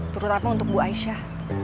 terutama untuk bu aisyah